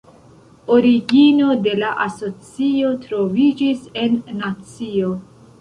Origino de la asocio troviĝis en Nancio.